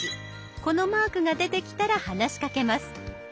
このマークが出てきたら話しかけます。